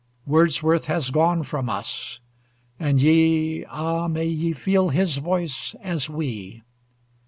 Wordsworth has gone from us and ye, Ah, may ye feel his voice as we!